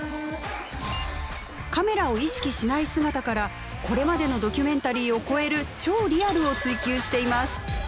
カメラを意識しない姿からこれまでのドキュメンタリーを超える超リアルを追求しています。